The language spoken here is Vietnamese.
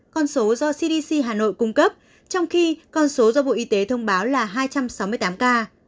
con số do cdc hà nội cung cấp trong khi con số do bộ y tế thông báo là hai trăm sáu mươi tám ca